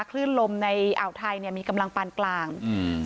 คลื่นลมในอ่าวไทยเนี้ยมีกำลังปานกลางอืม